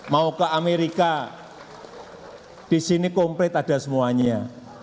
mau ke amerika di sini komplit ada semuanya